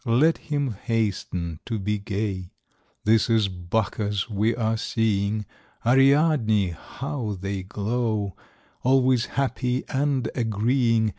Let him hasten to be gay ! This is Bacchus we are seeing, Ariadne — ^how they glow I Always happy and agreeing.